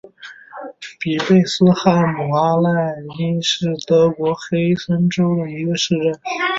比贝斯海姆阿姆赖因是德国黑森州的一个市镇。